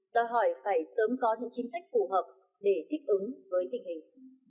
đòi hỏi phải sớm có những chính sách phù hợp để thích ứng với tình hình